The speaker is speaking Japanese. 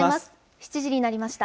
７時になりました。